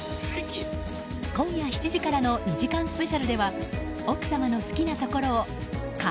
今夜７時からの２時間スペシャルでは奥様の好きなところを顔！